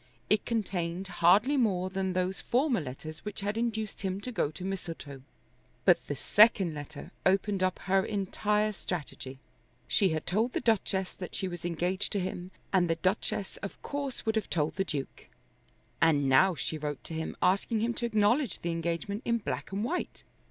It contained hardly more than those former letters which had induced him to go to Mistletoe. But the second letter opened up her entire strategy. She had told the Duchess that she was engaged to him, and the Duchess of course would have told the Duke. And now she wrote to him asking him to acknowledge the engagement in black and white.